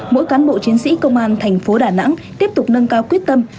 mỗi cán bộ chiến sĩ công an thành phố đà nẵng tiếp tục nâng cao quyết tâm